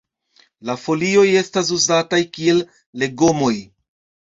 La folioj estas uzataj kiel legomoj.